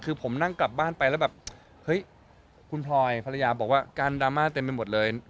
คือผมนั่งกลับบ้านไปแล้วแบบเฮ้ยคุณพลอยภรรยาบอกว่าการดราม่าเต็มไปหมดเลย